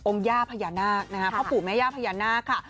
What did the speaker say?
องค์ย่าพญานาคผบผูมแม่ย่าพญานาคค่ะ